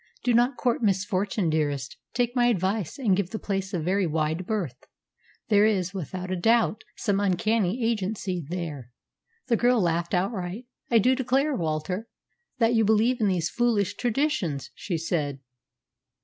"Do not court misfortune, dearest. Take my advice, and give the place a very wide berth. There is, without a doubt, some uncanny agency there." The girl laughed outright. "I do declare, Walter, that you believe in these foolish traditions," she said.